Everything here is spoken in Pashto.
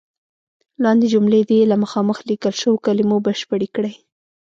لاندې جملې دې له مخامخ لیکل شوو کلمو بشپړې کړئ.